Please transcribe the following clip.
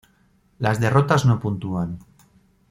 Las derrotas no puntúan.